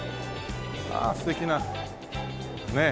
ああ素敵なねえ。